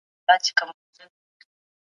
قصاص د عدالت دنده ده.